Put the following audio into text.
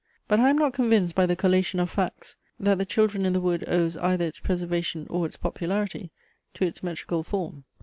But I am not convinced by the collation of facts, that THE CHILDREN IN THE WOOD owes either its preservation, or its popularity, to its metrical form.